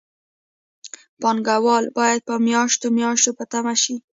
پانګوال باید په میاشتو میاشتو په تمه شي